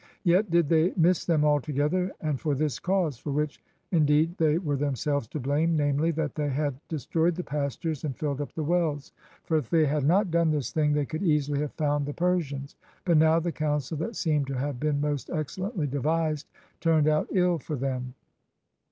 Yet did they miss them altogether, and for this cause, for which indeed they were themselves to blame, namely, that they had de stroyed the pastures and filled up the wells. For if they had not done this thing they could easily have found the Persians. But now the counsel that seemed to have been most excellently devised turned out ill for them.